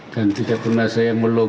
dan tidak pernah saya berterima kasih